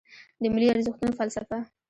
د ملي ارزښتونو فلسفه